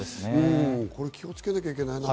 これ、気をつけなきゃいけないな。